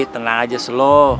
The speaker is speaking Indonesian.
tenang aja slow